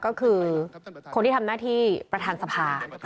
ก็คือคนที่ทำหน้าที่ประธานสภา